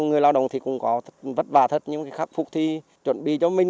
người lao động cũng có vất vả thật nhưng khắc phục thì chuẩn bị cho mình